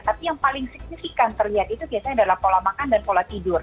tapi yang paling signifikan terlihat itu biasanya adalah pola makan dan pola tidur